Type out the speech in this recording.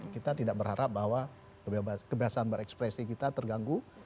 kita tidak berharap bahwa kebebasan berekspresi kita terganggu